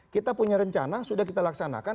kita punya rencana sudah kita laksanakan